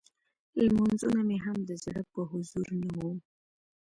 لمونځونه مې هم د زړه په حضور نه وو.